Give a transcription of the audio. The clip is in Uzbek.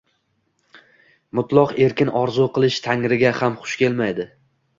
Mutloq erkin orzu qilish Tangriga ham xush kelmaydi.